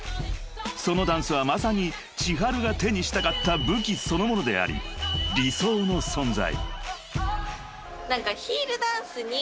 ［そのダンスはまさにｃｈｉｈａｒｕが手にしたかった武器そのものであり理想の存在］